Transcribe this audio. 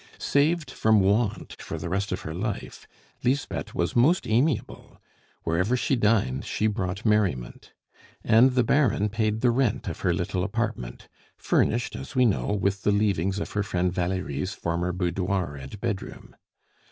Saved from want for the rest of her life, Lisbeth was most amiable; wherever she dined she brought merriment. And the Baron paid the rent of her little apartment, furnished, as we know, with the leavings of her friend Valerie's former boudoir and bedroom.